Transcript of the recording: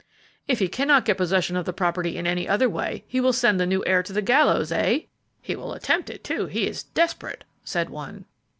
"If he cannot get possession of the property in any other way, he will send the new heir to the gallows, eh?" "He will attempt it, too; he is desperate," said one.